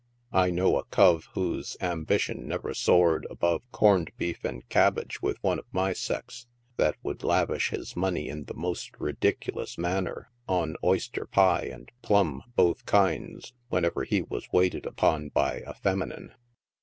I know a cove whose ambition never soared above corned b:>ef and cabbage with one of my sex, that would lavish his money in the most ridiculous manner on oyster pje and plum both kinds, whenever he was waited upon by a femi nine.